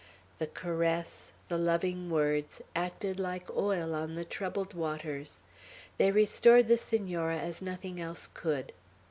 The caress, the loving words, acted like oil on the troubled waters. They restored the Senora as nothing else could.